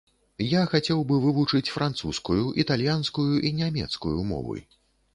Я хацеў бы вывучыць французскую, італьянскую і нямецкую мовы.